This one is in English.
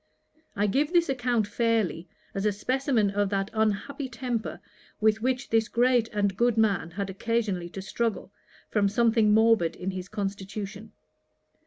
I give this account fairly, as a specimen of that unhappy temper with which this great and good man had occasionally to struggle, from something morbid in his constitution.